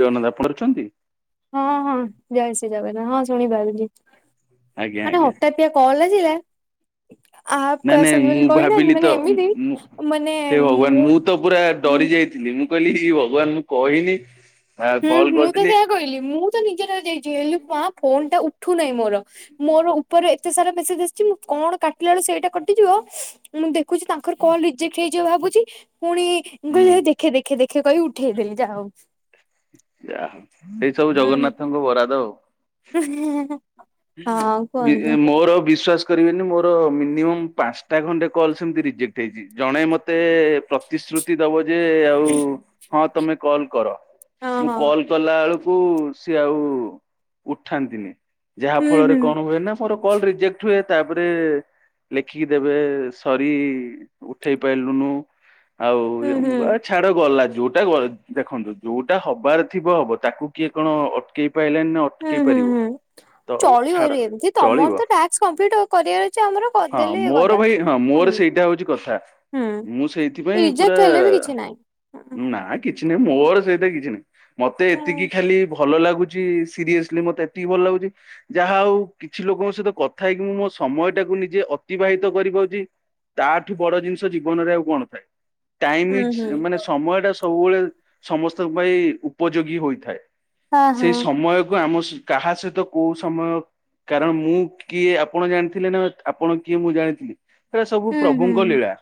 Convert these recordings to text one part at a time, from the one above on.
ଏ ଅନ୍ନ ଆପଣ ରଖିଛନ୍ତି? [unintelligible] ହଁ ହଁ ଜୟଶ୍ରୀ ଜଗନ୍ନାଥ ହଁ ଶୁଣିପାରୁଚି ଆଜ୍ଞା ମାନେ ଆଜ୍ଞା ହଠାତ୍ ସେ କଲ୍ ରେ ଥିଲା। ନାଇଁ ନାଇଁ ମୁଁ କହିନାହାନ୍ତି ଭାବିଲି ମାନେ ତ ଏମିତି ମୁଁ ହେ ଭଗବାନ ମୁଁ ତ ପୁରା ହୁଁ ଡରି ଯାଇ ଥିଲ ମୁଁ କହିଲି ଇ ଭଗବାନ ମୁଁ କହିନି ଆ ହୁଁ କଲ ମୁଁ ତ କରିଥିଲି ସେଇୟା କହିଲି ମୁଁ ତ ନିଜେ ଡରି ଯାଇଚି ହେଲେ ପ ଫୋନ ଟା ଉଠୁନାହିଁ ମୋର। ମୋର ଉପରେ ଏତେ ସାରା ମେସେଜ ଆସିଚି ମୁଁ କଣ କାଟିଲା ବେଳେ ସେଇଟା କଟିଯିବ ମୁଁ ଦେଖୁଚି ତାଙ୍କର କଲ ରିଜେକ୍ଟ ହେଇଯିବ ଭାବୁଚି ପୁଣି ମୁଁ ହୁଁ କହିଲ ଦେଖେ ଦେଖେ ଦେଖେ କହି ଉଠେଇଦେଲି ଯାହା‌ହଉ। ଯାହାହଉ ଏଇ ସବୁ ଜଗନ୍ନାଥଙ୍କ ବରାଦ ଆଉ। ହ [unintelligible] ଏ ମୋର ବିଶ୍ଵାସ କରିବେନି ମୋର ମିନିଅମ୍ ପାଞ୍ଚଟା ଖଣ୍ଡେ କଲ୍ ସେମିତି ରିଜେକ୍ଟ ହେଇଚି। ଜଣେ ମତେ ପ୍ରତିଶ୍ରୁତି ଦବ ଯେ ଆଉ ହଁ ତମେ କଲ କର। ହଁ ମୁଁ ହଁ କଲ କଲା ବେଳକୁ ସିଏ ଆଉ ଉଠାନ୍ତିନି। ଯାହା ହୁଁ ଫଳରେ ହୁଁ କଣ ହୁଏ ନା ମୋର କଲ ରିଜେକ୍ଟ ହୁଏ। ତାପରେ ଲେଖିକି ଦେବେ ସରି ଉଠେଇ ପାଇଲୁନୁ ଆଉ ହୁଁ ମୁଁ କହେ ଏତ ହୁଁ ଛାଡ ଗଲା ଯୋଉଟା ଗଲା ଦେଖନ୍ତୁ ଯୋଉଟା ହବାର ଥିବ ହବ ତାକୁ କିଏ କଣ ଅଟକେଇ ପାଇଲାଣି ନା ଅଟକେଇ ହୁଁ ହୁଁ ପାରିବ ହୁଁ। ତ ଚଳି ଛାଡ ବରୀ ଏମିତି ଚଳିବ ତମର ତ ଟାକ୍ସ କମ୍ପ୍ଲିଟ କରିବାର ଅଛି ଆମର କରିଦେଲେ ଇଏ ଗଲା ହୁଁ। କଷା ହୁଁ ମୁଁ ସେଇଥିପାଇଁ ପୁରା ରିଜେକ୍ଟ ହେଲେ ବି କିଛି ନାହିଁ। ମୁଁ ନା କିଛି ନାହିଁ ମୋର ସେଇତ କିଛି ନାହିଁ ମତେ ହୁଁ ଏତିକି ଖାଲି ଭଲ ଲାଗୁଚି ସିରିଏସିଲି ମତେ ଏତିକି ଭଲ ଲାଗୁଚି ଯାହା ଆଉ କିଛି ଲୋକଙ୍କ ସହିତ କଥା ହେଇକି ମୁଁ ମୋ ସମୟ ଟାକୁ ନିଜେ ଅତିବାହିତ କରିପାରୁଚି। ତାଠୁ ବଡ ଜିନିଷ ଜୀବନରେ ଆଉ କଣ ଥାଏ। ଟାଇମି ହୁଁ ହୁଁ ଇଜ ମାନେ ସମୟ ଟା ସବୁବେଳେ ସମସ୍ତଙ୍କ ପାଇଁ ଉପଯୋଗୀ ହୋଇଥାଏ। ହଁ ହଁ ସେଇ ସମୟକୁ ଆମ ସ କାହା ସହିତ କୋଉ ସମୟ କାରଣ ମୁଁ କିଏ ଆପଣ ଜାଣିଥିଲେ ନା ଆପଣ କିଏ ମୁଁ ଜାଣିଥିଲି। ଏରା ସବୁ ହୁଁ ପ୍ରଭୁଙ୍କ ହୁଁ। ଲୀଳା।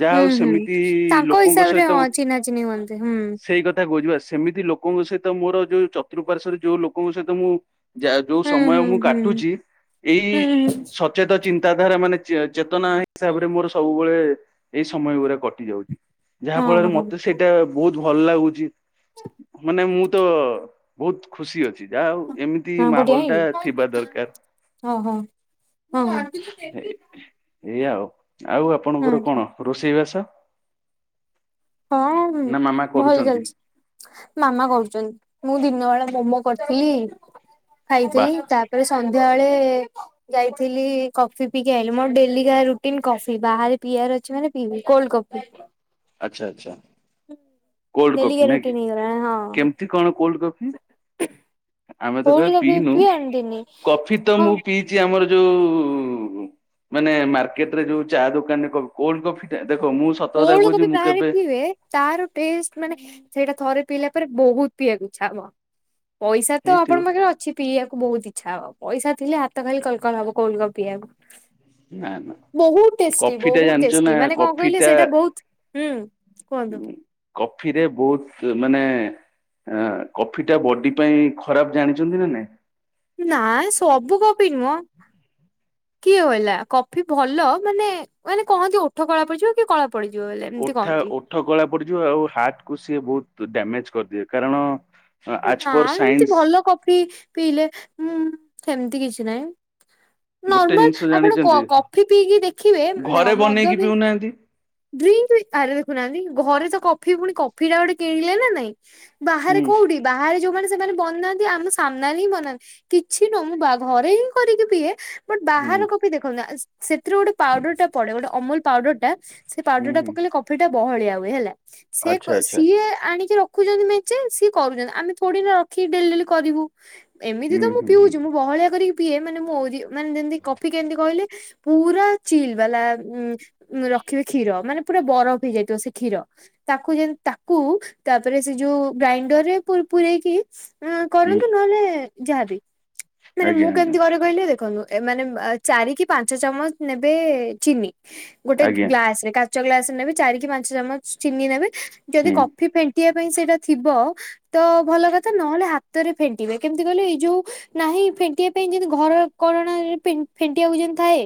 ଯାହା ହୁଁ ହଉ ହୁଁ ସେମିତି ତାଙ୍କ ଲୋକଙ୍କ ହିସାବରେ ସହିତ ହଁ ଚିହ୍ନା ଚିହ୍ନି ହୁଅନ୍ତି ହୁଁ। ସେଇ କ କଥା କହୁଚିପା ସେମିତି ଲୋକଙ୍କ ସହିତ ମୋର ଯୋଉ ଚତୁଃପାର୍ଶ୍ବରେ ଯୋଉ ଲୋକଙ୍କ ସହିତ ମୁଁ ଯା ଯୋଉ ହୁଁ ସମୟ ହୁଁ ମୁଁ ହୁଁ କାଟୁଛି ଏଇ ହୁଁ ହୁଁ ସ ଚେତ ଚିନ୍ତାଧାରା ମାନେ ଚେ ଚେତନା ହିସାବରେ ମୋର ସବୁବେଳେ ଏଇ ସମୟ ଗୁରା କଟି ଯାଉଚି। ଯାହା ହଁ ଫଳରେ ହଁ ମତେ ସେଇଟା ବହୁତ ଭଲ ଲାଗୁଛି ମାନେ ମୁଁ ତ ବହୁତ ଖୁସି ଅଛି ଯାହା ଆଉ ଏମି ତି ହଁ ବଢିଆ ମାହୋଲ ଟା ହେଇନି ଥିବା ଦରକାର ହଁ ହଁ। ହଁ ହଁ ଏ ଏଇଆ ଆଉ ଆଉ ଆପଣଙ୍କର କଣ ରୋଷେଇ ବାସ। ହଁ ହୁଁ ଭଲ କରୁଛନ୍ତି ଚାଲିଚି। ମାମା କରୁଚନ୍ତି ମୁଁ ଦିନ ବେଳା ମୋମୋ କରିଥିଲି। ବା ଖାଇଥିଲି ତାପରେ ସନ୍ଧ୍ୟାବେଳେ ଯାଇଥିଲି କଫି ପିଇକି ଆଇଲି ମୋର ଡେଲି କା ରୁଟିନ କଫି ବାହାରେ ପିଇବାର ଅଛି ମାନେ ପିଇବି କୋଲ୍ଡ କପି। ଆଚ୍ଛା ଆଚ୍ଛା। ଡେଲିିକା ରୁଟିନ ହେଇ ଗଲାଣି ହଁ। ତି କଣ କୋଲ୍ଡ କଫି। ଆମେ ତ କୋଲ୍ଡ କେବେ କଫି ପିଇନୁ ପିଅନ୍ତିନି କଫି ତ ହଁ ମୁଁ ପିଇଚି ଆମର ଯୋଉ ମାନେ ମାର୍କେଟ ରେ ଯୋଉ ଚା ଦୋକାନରେ କଇବ କୋଲ୍ଡ କଫିଟା ଦେଖ ମୁଁ ସତ କଥା କୋଲ୍ଡ କହୁଛି କଫି ମୁଁ ବାହାରେ କେବେ ପିଇିବେ। ତାର ଟେଷ୍ଟ ମାନେ ସେଇଟା ଥରେ ପିଇଲା ପରେ ବହୁତ ପିଇଆକୁ ଇଛା ହବ। ପଇସା ତ ହେଇଥିବ ଆପଣଙ୍କ ପାଖରେ ଅଛି। ପିଇବାକୁ ବହୁତ ଇଛା ହବ ପଇସା ଥିଲେ ହାତ ଖାଲି କଲକଲ ହବ କଲ୍ଡ କଫି ପିଇବାକୁ। ନା ନା ବହୁତ ଟେଷ୍ଟି କଫି ଟା ବହୁତ ଜାଣିଛ ଟେଷ୍ଟି ନା ମାନେ କଣ କଫି କହିଲେ ଟା ସେ ବହୁତ ହୁଁ କୁହନ୍ତୁ। କଫିରେ ବହୁତ ମାନେ ଆ କଫି ଟା ବଡି ପାଇଁ ଖରାପ ଜାଣିଚନ୍ତି ନା ନାଇଁ। ନାଇଁ ସବୁ କଫି ନୁହଁ। କିଏ କହିଲା କଫି ଭଲ ମାନେ ମାନେ କହନ୍ତି ଓଠ କଳା ପଡିଯିବ କିଏ କଳା ପଡ଼ିଯିବ ହେଲେ। ଓଠା ଓଠ କଳା ପଡିଯିବ ଆଉ ହାର୍ଟ କୁ ସିଏ ବହୁତ ଡ୍ୟାମେଜ କରିଦିଏ କାରଣ ଆଜ ନା ପର ଏମତି ସାଇନ୍ସ ଭଲ କପି ପିଇଲେ ହୁଁ ହେମିତି କିଛି ନାଇଁ। ଗୋଟେ ନର୍ମାଲ ଜିନିଷ ଆପଣ କ ଜାଣିଛନ୍ତି କଫି ପିଇକି ଦେଖିବେ ଦେଖ ମଦ ବି ନାହାନ୍ତି। ଡ୍ରିଙ୍କବି ଆରେ ଦେଖୁନାହାନ୍ତି ଘରେ ତ କଫି ପୁଣି କଫି ଟା ଗୋଟେ କିଣିଲେ ନା ନାଇଁ। ବାହାରେ ହୁଁ କୋଉଠି ବାହାରେ ଯୋଉମାନେ ସେମାନେ ବନାନ୍ତି ଆମ ସାମ୍ନାରେ ହିଁ ବନାନ୍ତି। କିଛି ନୁହଁ ମୁଁ ବା ଘରେ ହିଁ କରିକି ପିଏ। ବଟ ହୁଁ ବାହାର କଫି ଦେଖନ୍ତୁ ନା ସେଥିରୁ ଗୋଟେ ପାଉଡର ଟା ପଡେ ଗୋଟେ ଅମୁଲ ପାଉଡର ଟା ସେ ହୁଁ ପାଉଡର ଟା ହୁଁ ପକେଇଲେ କଫି ଟା ବହଳିଆ ହୁଏ ହେଲା ସେ ଆଚ୍ଛା ଆଚ୍ଛା। ସିଏ ଆଣିକି ର ରଖୁଛନ୍ତି ମେନ୍ଚେ ସିଏ କରୁଛନ୍ତି ଆମେ ଥୋଡିିନା ରଖିକି ଡେଲି ଡେଲି କରିବୁ। ଏମିତି ହୁଁ ତ ମୁଁ ହୁଁ ହୁଁ ପିଉଛି ମୁଁ ବହଳିଆ କରିକି ପିଏ ମାନେ ମୋ ଓରିଓ ମାନେ ଯେମତି କଫି କେମିତି କହିଲେ। ପୁରା ଚିଲ ବାଲା ଉ ରଖିବେ କ୍ଷୀର ମାନେ ପୁରା ବରଫ ହେଇଯାଇଥିବ ସେ କ୍ଷୀର। ତାକୁ ଯେମତି ତାକୁ ତାପରେ ସେ ଯୋଉ ଗ୍ରାଇଣ୍ଡର ରେ ପୁ ପୁରେଇକି ଅ ହୁଁ କରନ୍ତୁ ନହେଲେ ଯାହାବି ମାନେ ଆଜ୍ଞା ମୁଁ ଆଜ୍ଞା କେମିତି କରେ କହିଲେ ଦେଖନ୍ତୁ। ମାନେ ଚାରି କି ପାଞ୍ଚ ଚାମଚ ନେବେ ଚିନି ଗୋଟେ ଆଜ୍ଞା ଆସ୍ ରେ କାଚ ଗ୍ଲାସ୍ ରେ ନେବେ ଚାରି କି ପାଞ୍ଚ ଚାମଚ୍ ଚିନିି ନେବେ ଜେଦି ହୁଁ କଫି ଫେନ୍ ଟିଆ ପାଇଁ ସେଇଟା ଥିବ ତ ଭଲ କଥା ନହେଲେ ହାତରେ ଫେଣ୍ଟିବେ କେମ୍ତି କହିଲେ ଏଇ ଯୋଉ ନାହିଁ ଫେଣ୍ଟିଆ ପାଇଁ ଯେମିତି ଘର କରଣାରେ ଫେନ୍ ଫେଣ୍ଟିଆକୁ ଯେମିତି ଥାଏ।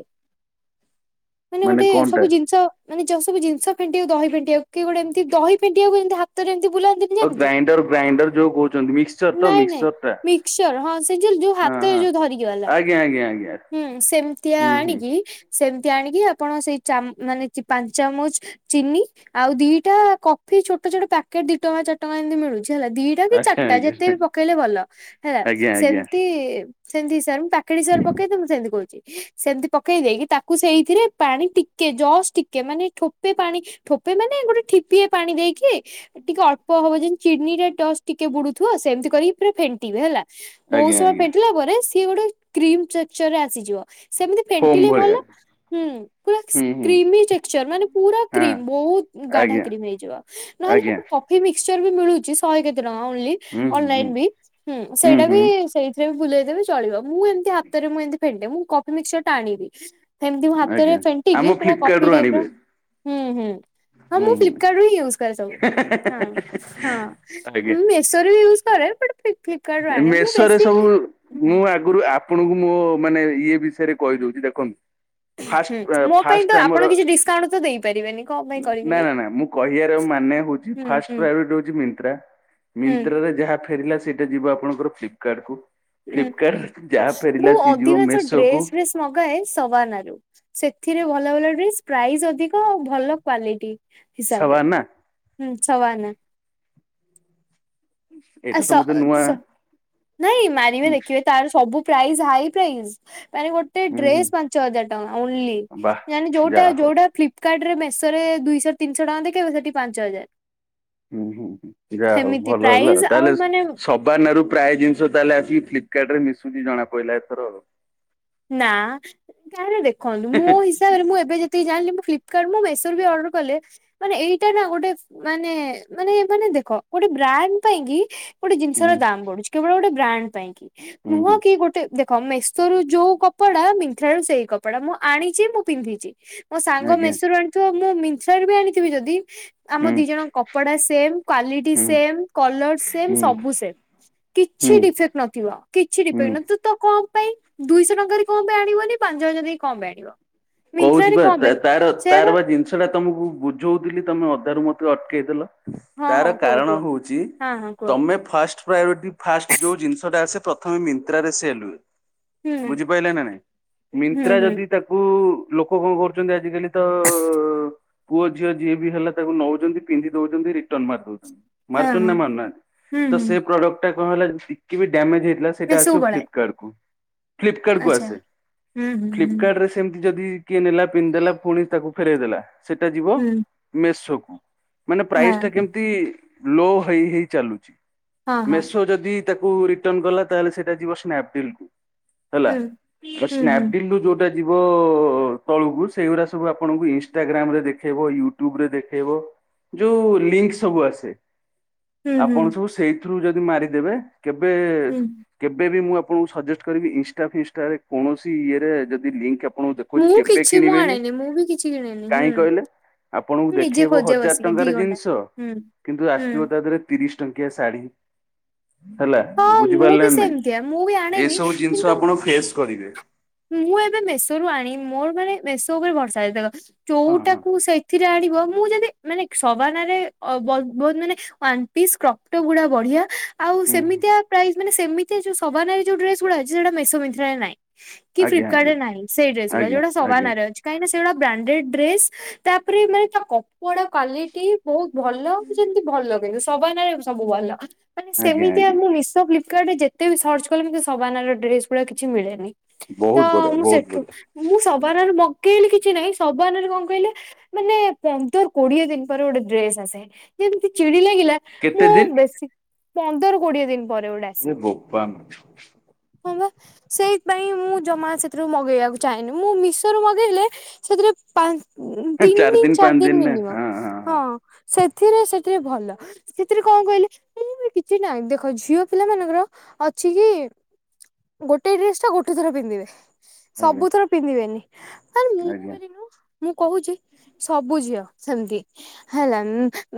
ମାନେ ଗୋଟେ ସ୍ ଯୋ ମାନେ ଯୋଉ ସବୁ ଜିନ୍ଷ ଫେଣ୍ଟିଆକୁ ଦହି ଫେଣ୍ଟିଆକୁ କି ଗୋଟେ ଏମ୍ତି ଦହି ଫେଣ୍ଟିଆକୁ ଯେମିତି ହାତରେ ଏମ୍ତି ବୁଲା ନ୍ତିନି ଓ ଯେମ୍ତି ଗ୍ରାଇଣ୍ଡର ଗ୍ରାଇଣ୍ଡର ଯୋଉ କହୁଛନ୍ତି ମିକ୍ସଚର ତ ନାଇଁ ନାଇଁ ମିକ୍ସଚର ଟା ମିକ୍ସଚର୍ ହଁ ସେଇ ଯୋଉ ଯୋଉ ହଁ ହାତରେ ହଁ। ଯୋଉ ଧରିକି। କିହଲା ଆଜ୍ଞା ଆଜ୍ଞା ଆଜ୍ଞା ହୁ ସେମ୍ତିଆ ହୁଁ ହୁଁ ଆଣିକି ସେମ୍ତି ଆଣିକି ଆପଣ ସେଇ ଚାମ୍ ମାନେ ଚି ପାଞ୍ଚ୍ ଚାମଚ୍। ଚିନି ଆଉ ଦିଟା କଫି ଛୋଟ ଛୋଟ ପ୍ୟାକେଟ୍ ଦି ଟଙ୍କା ଚାର୍ ଟଙ୍କା ଏମ୍ତି ମିଳୁଛି ହେଲା ଦି ଦି ଟା କି ଆଜ୍ଞା ଚାର୍ଟା ଆଜ୍ଞା ଯେତେ ବି ପକେଇଲେ ଭଲ ହେଲା ଆଜ୍ଞା ଆଜ୍ଞା ସେମ୍ତି ସେମ୍ତି ହିସାବରେ ପାକେଟ୍ ହିସାବରେ ପକେଇଦିଅ ମୁଁ ସେମ୍ତି କୋହୁଚି ସେମ୍ତି ପକେଇ ଦେଇକି ତାକୁ ସେଇଥିରେ ପାଣି ଟି କେ ଜସ୍ ଟିକେ ମାନେ ଠୋପେ ପାଣି ଠୋପେ ମାନେ ଗୋଟେ ଠିପିଏ ପାଣି ଦେଇକି। ଟିକେ ଅଳ୍ପ ହବ ଯେମ୍ତି ଚିନି ରେ ଡଷ୍ଟ ଟିକେ ବୁଡୁଥିବ ସେମ୍ତି କରିକି ପୁରା ଫେଣ୍ଟିବେ ହେଲା? ବୋହୁତ୍ ଆଜ୍ଞା ସମୟ ଆଜ୍ଞା। ପେଣ୍ଟିଲା ପରେ ସିଏ ଗୋଟେ କ୍ରିମ୍ ଚେକ୍ଚର୍ ରେ ଆସିଯିବ। ସେମିତି ଫୋମ୍ ଫେଣ୍ଟିଲେ ଭଲ ଭଳିଆ ହୁଁ ପୁରାକ୍ସ ହୁଁ ହୁଁ। କ୍ରିମି ଚେକ୍ଚର୍ ମାନେ ପୁର ହଁ କ୍ରିମ୍ ବୋହୁତ୍ ଗାଢା ଆଜ୍ଞା କ୍ରିମ୍ ହେଇଯିବ ନହେଲେ ଆଜ୍ଞା ଆପଣ କପ୍ କଫି ମିକ୍ସଚର୍ ବି ମିଳୁଚି ଶହେ କେତେ ଟଙ୍କା ଓନ୍ଲି ହୁଁ ଅନ୍ ହୁଁ ହୁଁ ଲାଇନ୍ ବି ହୁଁ ସେଇଟା ବି ସେଇ ସେଇଆକୁ ବୁଲେଇଦେବେ ଚଳିବ ମୁଁ ଏମ୍ତି ହାତରେ ମୁଁ ଏମ୍ତି ଫେଣ୍ଟେ ମୁଁ କଫି ମିକ୍ସଚର୍ ଟା ଆଣିବି। ସେମ୍ ମୁଁ ହାତରେ ଆଜ୍ଞା। ଆମ ଫେଣ୍ଟିକି ପୁରା ଫ୍ଲିପକାର୍ଟ କଫି ରୁ ଟାଇପ୍ ର ଆଣିବେ ହୁଁ ହୁଁ। ହଁ ହୁଁ ମୁଁ ହୁଁ। ଫ୍ଲିପ୍ କାର୍ଡ ରୁ ହିଁ ୟୁଜ୍ କରେ ସବୁ ହଁ ହଁ ଆଜ୍ଞା ମୁଁ ଏ ମିକ୍ସଚର୍ ବି ୟୁଜ୍ କରେ ବଟ୍ ଏ ମେଷୋ ରେ ସବୁ ମୁଁ ଆଗ ଆଗୁରୁ ଆପଣଙ୍କୁ ମୋ ମାନେ ଇଏ ବିଷୟରେ କହିଦୋଉଚି ଦେଖନ୍ତୁ। ହୁଁ ଫଷ୍ଟ ମୋ ପାଇଁ ଫାଷ୍ଟ ତ ଆମର ଆପଣ କିଛି ଡିସକାଉଣ୍ଟ ତ ଦେଇପାରିବେନି କଣ ପାଇଁ କରିବି ନା ଯେ ନା ନା ମୁଁ କହିଆର ମାନେ ହୋଉ ହୁଁ ଫାର୍ଷ୍ଟ ହୁଁ ପ୍ରାଇଭେଟ୍ ହୋଉଚି ମିନ୍ତ୍ରା ହୁଁ ମିନ୍ତ୍ରାରେ ଯାହା ଫେରିଲା ସେଇଟା ଯିବ ଆପଣଙ୍କର ଫ୍ଲିପ୍ କାର୍ଡ କୁ। ହୁଁ ଫ୍ଲିପ୍ କାର୍ଡ ଯାହା ଫେରିଲା ମୁଁ ସିଏ ଯିବ ଅଧିକାଂଶ ମେଷୋ କୁ। ଡ୍ରେସ ଫ୍ରେସ୍ ମଗାଏ ସବାନା ରୁ ସେଥିରେ ଭଲ ଭଲ ଡ୍ରେସ୍ ପ୍ରାଇସ୍ ଅଧିକ ଆଉ ଭଲ କ୍ଵାଲିଟି। ହିସାବ୍ ରେ ସବାନା ହୁଁ ସବାନା। ଆଉ ଏଇଟା ତ ସ ମତେ ନୂଆ ସ ନାଇଁ ମାରିବେ ହୁଁ ଦେଖିବେ। ତାର ସବୁ ପ୍ରାଇଜ୍ ହାଇ ପ୍ରାଇଜ୍ ତାନେ ଗୋ ଗୋଟେ ହୁଁ ଡ୍ରେସ୍ ପାଞ୍ଚ ହଜାର ଟଙ୍କା ଓନ୍ଲି ବାଃ ଜାଣିନି ଯୋଉଟା ଯାହା ହଉ। ଯୋଉଟା ଫ୍ଲିପ୍ କାର୍ଡ ରେ ମେଷୋରେ ଦୁଇଶହ ତିନିଶହ ଟଙ୍କା ଦେଖଇବ ସେଇଠି ପାଞ୍ଚ ହଜାର। ହୁଁ ହୁଁ ହୁଁ ଯାହା ହୋଉ ସେମିତି ଭଲ ହେଲା ପ୍ରାଇସ୍ ଆଉ ତାହେଲେ ମାନେ ସବାନା ରୁ ପ୍ରାୟ ଜିନ୍ଷ ତାହେଲେ ଆସିକି ଫ୍ଲିପ୍ କାର୍ଡ ରେ ମିଶୁଛି ଜଣା ପଇଲା ଏଥର ଆଉ। ନାଁ ହେଲେ ଦେଖନ୍ତୁ ମୋ ହିସ୍ ହିସାବରେ ମୁଁ ଏବେ ଯେତିକି ଜାଣିଲି ମୁଁ ଫ୍ଲିପ୍ କାର୍ଡ ମୁଁ ମେଷୋରୁ ବି ଅର୍ଡର କଲେ। ମାନେ ଏଇଟା ନା ଗୋଟେ ମାନେ ମାନେ ମାନେ ଦେଖ ଗୋଟେ ବ୍ରାଣ୍ଡ ପାଇଁ କି ଗୋଟେ ହୁଁ ଜିନ୍ଷର ଦାମ୍ ବଢୁଛି କେବଳ ଗୋଟେ ବ୍ରାଣ୍ଡ ପାଇଁ କି ହୁଁ ନୁହଁ ହୁଁ କି ଗୋଟେ ଦେଖ ମେଷୋରୁ ଯୋଉ କପଡା ମିନଥ୍ରା ରୁ ସେଇ କପଡା ମୁଁ ଆଣିଛି ମୁଁ ପିନ୍ଧିଛି ମୋ ସାଙ୍ଗ ଆଜ୍ଞା ମେଷୋରୁ ଆଣି ଥିବ ମୁଁ ମିନଥ୍ରାରୁ ବି ଆଣିଥିବି ଯେଦି ହୁଁ ଆମ ଦି ଜଣଙ୍କ କ କପଡା ସେମ୍, କ୍ଵାଲିଟି ହୁଁ ସେମ୍, କଲର୍ ସେମ୍ ହୁଁ ସବୁ ସେମ୍। କିଛି ହୁଁ ଡିଫେକ୍ଟ ନଥିବ କିଛି ଡିଫେକ୍ଟ ହୁଁ। ନଥୁ ତୁତ କଁ ପାଇଁ ଦୁଇଶହ ଟଙ୍କା ମିନଥ୍ରାରୁ କଁ ପାଇଁ ଆଣିବନି ପାଞ୍ଚ ହଜାର ଦେଇକି କଁ ପାଇଁ ଆଣିବ? କହୁଛି ମିନ୍ତ୍ରାରେ ବା କଣ ପାଇଁ ତାର ସେୟା ତାର ବା ଜିନିଷ ଟା ତମକୁ ବୁଝଉଥିଲି ତମେ ଅଧାରୁ ମତେ ଅଟକେଇଦେଲ। ହଁ ତାର ହଁ କୁହ କାରଣ କୁହ ହଉଚି ହଁ ହଁ କୁହ ତମେ ଫାଷ୍ଟ ପାୟୋଟି ଫାଷ୍ଟ ଯୋଉ ଜିନିଷଟା ଆସେ ପ୍ରଥମେ ମିନ୍ତ୍ରାରେ ସେଲ୍ ହୁଏ। ହୁଁ ବୁଝିପାରିଲେ ନା ନାଇଁ? ହୁଁ ମିନ୍ତ୍ରା ହୁଁ ଯଦି ତାକୁ ଲୋକ କଣ କରୁଛନ୍ତି ଆଜିକାଲି ତ ପୁଅ ଝିଅ ଯିଏ ବି ହେଲା ତାକୁ ନଉଛନ୍ତି ପିନ୍ଧି ଦଉଛନ୍ତି ରିଟର୍ନ ମାରି ଦଉଛନ୍ତି। ହଁ ମାରୁଚ ହଁ ନା ମାରୁନାହାଁନ୍ତି ହୁଁ ତ ହୁଁ ସେ ପ୍ରଡ଼କ୍ଟ ସେଟା କଣ ହେଲା ଯେ ଟିକେ ବି ଡାମେଜ ହେଇଥିଲା ସେଇଟା ଏସବୁ ଆସିବ ପଳାଏ ଫ୍ପକାର୍ଟ କୁ। ଫ୍ଲିପକାର୍ଟ କୁ ଆଚ୍ଛା ଆସେ ହୁଁ ହୁଁ ହୁଁ ଫ୍ଲ୍ପିକାର୍ଟ ରେ ସେମିତି ଯଦି କିଏ ନେଲା ପିନ୍ଧିଦେଲା ପୁଣି ତାକୁ ଫେରଇଦେଲା ସେଇଟା ଯିବ ହୁଁ ମେସୋ କୁ ମାନେ ପ୍ରାଇସ ଟା ହଁ କେମିତି ଲୋ ହେଇ ହେଇ ଚାଲୁଚି। ହଁ ହଁ ମେସୋ ଯଦି ତାକୁ ରିଟର୍ଣ କଲା ତାହେଲେ ସେଇଟା ଯିବ ସ୍ନାପଡିଲ୍ କୁ। ହେଲା ହୁଁ ତ ହୁଁ ହୁଁ ସ୍ନାପଡିଲ ରୁ ଯୋଉଟା ଯିବ ତଳକୁ ସେଗୁରା ସବୁ ଆପଣଙ୍କୁ ଇନଷ୍ଟାଗ୍ରାମ ରେ ଦେଖେଇବ ୟୁଟ୍ୟୁବ ରେ ଦେଖେଇବ। ଯୋଉ ଲିଙ୍କ୍ ସବୁ ଆସେ। ହୁଁ ହୁଁ ଆପଣ ସବୁ ସେଇଥିରୁ ଯଦି ମାରିଦେବେ କେବେ ହୁଁ କେବେବି ମୁଁ ଆପଣଙ୍କୁ ସଜେଷ୍ଟ କରିବି ଇଂଷ୍ଟା ଫିଂଷ୍ଟା କୌଣସି ଇଏରେ ଯଦି ଲିଙ୍କ୍ ଆପଣଙ୍କୁ ଦେଖଉଚି ମୁଁ କେବେ କିଛି ମୁଁ କିଣିବେନି ଆଣେନି ମୁଁ ବି କିଛି କିଣେନି ହୁଁ କାହିଁ କହିଲେ? ଆପଣଙ୍କୁ ମୁଁ ନିଜେ ଦେଖେଇବ ଖୋଜେ ହଜାର ବସିକି ଦି ଟଙ୍କାର ଘଣ୍ଟା ଜିନିଷ ହୁଁ କିନ୍ତୁ ହୁଁ ଆସିଥିବ ତା ଦେହରେ ତିରିଶ୍ ଟଙ୍କିଆ ସାଢି। ହେଲା ହଁ ମୁଁ ବି ବୁଝିପାରିଲେ ନ ନାଇ? ସେମିତିଆ ମୁଁ ବି ଆଣେନି ଏସବୁ ଜିନିଷ କିନ୍ତୁ ଆପଣ ଫେସ୍ କରିବେ। ମୁଁ ଏବେ ମେଷରୁ ଆଣି ମୋର ମାନେ ମେଷ ଉପରେ ଭର୍ଷା ଅଛି ଦେଖ ହଁ ହଁ ଚୋଉଟାକୁ ସେଇ ସେଥିରେ ଆଣିବ ମୁଁ ଯଦି ମାନେ ସବାନା ରେ ଅବ ବହୁତ୍ ମାନେ ୱାନ୍ ପିସ୍ କପ୍ଟ ଗୁଡା ବଢିଆ। ଆଉ ହୁଁ ହୁଁ ସେମିତିଆ ପ୍ରାଇସ୍ ମାନେ ସେମିତିଆ ଯୋଉ ସବାନା ରେ ଯୋଉ ଡ୍ରେସ୍ ଗୁଡା ଅଛି ସେଟା ମେଷ ମିତ୍ରାରେ ନାଇଁ। କି ଫ୍ଲିପ୍ ଆଜ୍ଞା ଆଜ୍ଞା କାଡ୍ରେ ନାଇଁ ସେଇ ଡେସ୍ ଗୁଡା ଆଜ୍ଞା ଯୋଉଟା ଆଜ୍ଞା ସବାନାରେ ଅଛି। କାହିଁନା ସେଗୁଡା ବ୍ରାଣ୍ଡେଡ୍ ଡ୍ରେସ୍ ତାପରେ ମାନେ ତା କଥ୍ ଥା ଗୁଡା କ୍ଵାଲିଟି ବହୁତ ଭଲ ଯେମତି ଭଲ କିନ୍ତୁ ସବାନା ରେ ସବୁ ଭଲ। ମାନେ ଆଜ୍ଞା ସେମିତିଆ ଆଜ୍ଞା ମୁଁ ମିଶୋ ଫ୍ଲିପ୍ କାର୍ଡରେ ଯେତେ ବି ସର୍ଚ କଲେ ମୋତେ ସବାନ ର ଡ୍ରେସ୍ ଗୁଡା କିଛି ମିଳେ ନି। ତ ବହୁତ ବଢିଆ ମୁଁ ବହୁତ ସେଠୁ ବଢିଆ ମୁଁ ସବାନରେ ମକେଇଲି କିଛି ନାହିଁ ସବାନରେ କଣ କଇଲେ ମାନେ ପନ୍ଦର କୋଡିଏ ଦିନି ପରେ ଗୋଟେ ଡ୍ରେସ୍ ଆସେ ଯେମିତି ଚିଡି ଲାଗିଲା। କେତେ ମୁଁ ଦିନ ବେଶୀ ପନ୍ଦର କୋଡିଏ ଦିନି ପରେ ଗୁଡା। ଏ ବୋପା ମା। ହଁ ବା ସେଇଥିପାଇଁ ମୁଁ ଜମା ସେଥିରୁ ମଗେଇବାକୁ ଚାହେଁନି ମୁଁ ମିଶୋରୁୁ ମଗେଇଲେ ସେଥିରେ ପା ତିନି ଦିନି ଦିନ ଚାରି ପାଞ୍ଚ ଦିନ ଦିନି ନା ମିନିମମ୍ ହଁ ହଁ ସେଥିରେ ସେଥିରେ ଭଲ। ସେଥିରେ କଁ କଇଲେ ମୁଁ [inaudible] କିଛି ନାଇଁ ଦେଖ ଝିଅ ପିଲା ମାନଙ୍କର ଅଛି କି ଗୋଟେ ଡ୍ରେସ୍ ଟା ଗୋଟେ ଥର ପିନ୍ଧିବେ ଆଜ୍ଞା ସବୁଥର ପିନ୍ଧିବେନି। କାହିଁ ଆଜ୍ଞା। ମୁଁ କହୁଚି ସବୁ ଝିଅ ସେମିତି। ହେଲା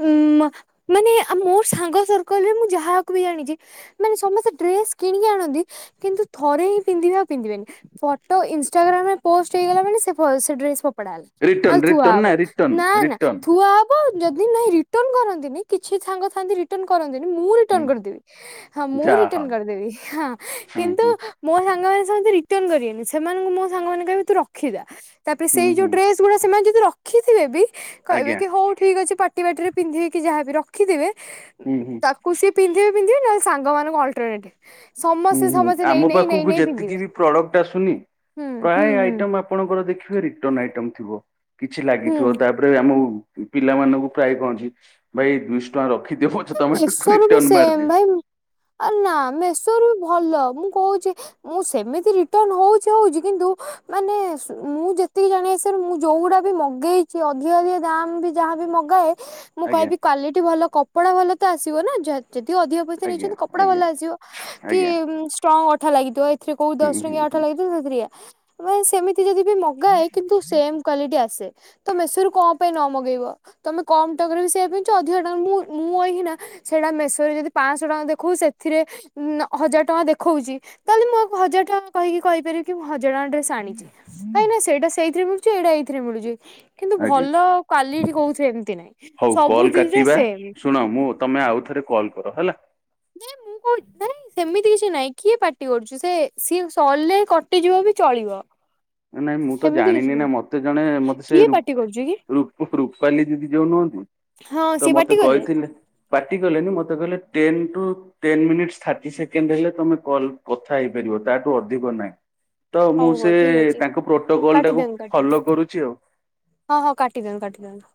ଉଁମ ମାନେ ମୋ ସାଙ୍ଗ ସର୍କଲ ରେ ମୁଁ ଯାହାକୁ ବି ଜାଣିଚି। ମାନେ ସମସ୍ତେ ଡ୍ରେସ୍ କିଣିକି ଆଣନ୍ତି କିନ୍ତୁ ଥରେ ହିଁ ପିନ୍ଧିବେ ଆଉ ପିନ୍ଧିବେନି। ଫଟୋ ଇନ୍ ଷ୍ଟାଗ୍ରାମ୍ ରେ ପୋଷ୍ଟ ହେଇଗଲା ମାନେ ସେ ଫୋ ସେ ଡ୍ରେସ୍ ଫୋପ୍ ଫୋପଡା ହବ ରିଟର୍ଣ ନଲେ ଥୁଆ ରିଟର୍ଣ ନା ହବ ରିଟର୍ଣ ନା ନା ରିଟର୍ଣ ଥୁଆ ହବ୍ ହଁ ଯଦି ନାଇଁ ରିଟନ୍ କରନ୍ତିନି କିଛି ଛାଙ୍ଗ ଥାନ୍ତି ରି ରିଟର୍ଣ୍ଣ କରନ୍ତି ମୁଁ ରିଟନ୍ ହୁଁ କରିଦେବି ହଁ ମୁଁ ଯାହା ରିଟର୍ଣ୍ଣ ହଉ କରିଦେବି ହୁଁ କିନ୍ତୁ ହୁଁ ମୋ ସାଙ୍ଗମାନେ ରିଟନ୍ କରିବେନି ସେମାନଙ୍କୁ ମୋ ସାଙ୍ଗମାନେ କହିବେ ତୁ ରଖିଥା ତାପରେ ହୁଁ ସେଇ ଯୋଉ ହୁଁ ଡ୍ରେ ଗୁଡା ସେମାନେ ଯଦି ରଖିଥିବେ ବି କହିବେ ଆଜ୍ଞା କି ହଉ ଠିକ୍ ଅଛି ପାଟି ବାଟିରେ ପିନ୍ଧେଇକି ଯାହାବି ରଖିଦେବେ ହୁଁ ହୁଁ କୁ ପିନ୍ଧିବେ ପିନ୍ଧିବେ ନା ସାଙ୍ଗମାନଙ୍କୁ ଅଲ୍ଟରନେଟ୍ ହୁଁ ସମସ୍ତେ ହୁଁ ସମସ୍ତେ ଆମ ନେଇ ନେଇ ନେଇ ପାଖକୁ ନେଇ ଯେତିକି ପିନ୍ଧିବେ ବି ପ୍ରଡକ୍ଟ ଆସୁନି ହୁଁ ହୁଁ ପ୍ରାୟ ହୁଁ ଆଇଟମ୍ ଆଣଙ୍କର ଦେଖିବେ ରିଟନ୍ ଆଇଟମ୍ ଥିବ କିଛି ଲାଗିଥିବ ହୁଁ। ତା ପ୍ରାୟ ଆମକୁ ପିଲାମାନଙ୍କୁ ପ୍ରାୟ କହନ୍ତି ଭାଇ ଦୁଇଶହ ଟଙ୍କା ରଖିଦିଅ ବରଚ ମେଷରୁ ବି ସେମ୍ ଭାଇ ନା ମେଶରୁ ବି ଭଲ ମୁଁ କହୁଛି ମୁଁ ସେମିତି ରିଟର୍ଣ୍ଣ ହେଉଛି ହେଉଛି କିନ୍ତୁ ମାନେ ମୁଁ ଯେତିକି ଜଣେ ମୁଁ ଯୋଉଗୁଡା ବି ମଗେଇଛି ଅଧିକ ଅଧିକ ଦାମ୍ ବି ଯାହାବି ମଗାଏ ମୁଁ ଆଜ୍ଞା କହିବି କ୍ୱ। ଲିଟି ଭଲ କପଡ଼ା ଭଲ ତ ଆସିବ ନା ଯଦି ଅଧିକ ଆଜ୍ଞା ନେଇ କପଡ଼ା ଭଲ ଆଜ୍ଞା ଆସିବ କି ଆଜ୍ଞା ଷ୍ଟ୍ରଙ୍ଗ ଅଠା ଲାଗିଥିବ ଏଥିରେ କେଉଁ ହୁଁ ଦଶ ହୁଁ ଟଙ୍କିଆ ଅଠା ହୁଁ ଲାଗିିବ ଶୁଣୁ ପ୍ରିୟା ସେମିତି ଯଦି ବି ମଗାଏ କିନ୍ତୁ ସେମ୍ କ୍ଵାଲିଟି ଆସେ ତ ମେଷରୁ କଣ ପାଇଁ ନ ମଗେଇବ ତମେ କମ୍ ଟଙ୍କାରେ ବି ସେଇଆ ପିନ୍ଧୁଛୁ ଅଧିକା ଟଙ୍କା ମୁଁ ମୁଁଏଇଖିନା ସେଇଟା ମେଷରେ ଯଦି ପାଞ୍ଚଶହ ଟଙ୍କା ଦେଖେଉଛି ସେଥିରେ ହଜାର ଟଙ୍କା ଦେଖଉଛି ତାହେଲେ ମୁଁ ଆ ହଜାର ଟଙ୍କା କହିକି କହିପାରିବି କି ମୁଁ ହଜାଣ ରେ ଆଣିଛି କାଁଇକି ନା ସେଇଟା ସେଇଥିରେ ମିଳୁଛି ଏଇଟା ଏଇଥିରେ ମିଳୁଛି କିନ୍ତୁ ଆଜ୍ଞା ଭଲ କ୍ୱାଲିଟି କହୁଥିରେ ଏମିତି ନାଇଁ ହଉ ସବୁ କଲ୍ ଜିନିଷରେ କାଟିବା ସେମ୍ ଶୁଣ ମୁଁ ତମେ ଆଉ ଥରେ କଲ୍ କର ହେଲା ନାଇଁ ମୁଁ କହୁ ହୁଁ ନାଇଁ ସେମିତି କିଛି ନାହିଁ କିଏ ପାଟି କରୁଚୁ ସେ ସିଏ ଅନ୍ଲାଇନି କଟିଯିବ ବି ଚଳିବ ନାଇଁ ମୁଁ ତ ସେମିତି କିଛି ଜାଣିନି ନା ନାହିଁ ମତେ ଜଣେ ମତେ ସେ କିଏ ପାଟି କରୁଛି କି ରୁପାଲି ଦିଦି ଯୋଉ ନୁହନ୍ତି ହଁ ତ ସିଏ ପାଟି ମତେ କଲେ କହିଥିଲେ ପାର୍ଟି କଲେନି ମତେ କହିଲେ ଟେନ ଟୁ ଟୋନ୍ ମିଟିନି ଥାର୍ଟି ସେଣ୍ଡ ହେଲେମେ କଲ୍ କଥା ହେଇପାରିବ ତାଠୁ ଅଧିକ ନାହିଁ ତ ମୁଁ ହଉ ହଉ ସେ ଠିକ ଅଛି ତାଙ୍କ ପ୍ରୋଟୋକଲ ଟାକୁ କାଟିଦିଅନ୍ତୁ କାଟିଦିଅନ୍ତୁ ଫଲୋ କରୁଛି ଆଉ ହଁ ହଁ କାଟି ଦିଅନ୍ତୁ କାଟି ଦିଅନ୍ତୁ